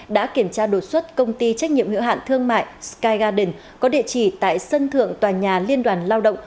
đã kiểm tra đột xuất công ty trách nhiệm hiệu hạn thương mại sky garden có địa chỉ tại sân thượng tòa nhà liên đoàn lao động